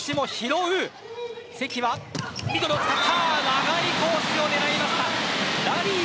長いコースを狙いました。